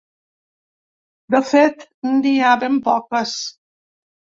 De fet, n’hi ha ben poques.